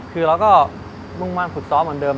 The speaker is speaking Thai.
คือเราก็มุ่งมั่นฝึกซ้อมเหมือนเดิม